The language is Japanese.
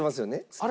あれ？